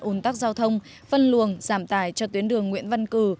ồn tắc giao thông phân luồng giảm tài cho tuyến đường nguyễn văn cử